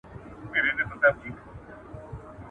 ولې د ټولنیزو اړیکو بېاحترامي مه کوې؟